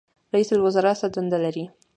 رئیس الوزرا څه دندې لري؟